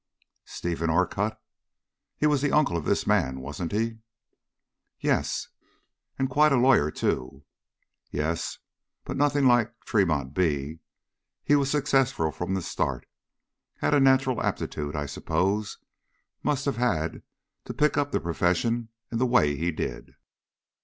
"Stephen Orcutt? He was the uncle of this man, wasn't he?" "Yes." "And quite a lawyer too?" "Yes, but nothing like Tremont B. He was successful from the start. Had a natural aptitude, I suppose must have had, to pick up the profession in the way he did."